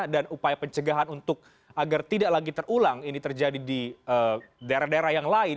dan upaya pencegahan untuk agar tidak lagi terulang ini terjadi di daerah daerah yang lain